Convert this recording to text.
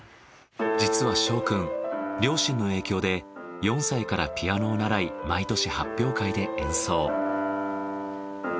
実は翔くん両親の影響で４歳からピアノを習い毎年発表会で演奏。